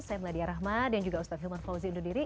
saya meladia rahmat dan juga ustaz hilmar fauzi undur diri